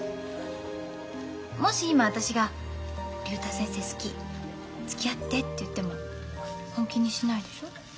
もし今私が「竜太先生好きつきあって」って言っても本気にしないでしょ？